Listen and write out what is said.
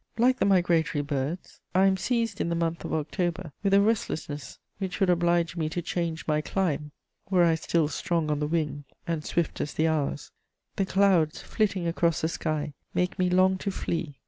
Like the migratory birds, I am seized in the month of October with a restlessness which would oblige me to change my clime, were I still strong on the wing and swift as the hours: the clouds flitting across the sky make me long to flee.